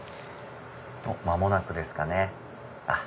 間もなくですかね。